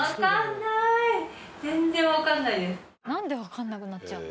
なんでわかんなくなっちゃうの？